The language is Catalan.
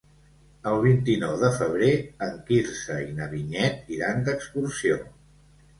El vint-i-nou de febrer en Quirze i na Vinyet iran d'excursió.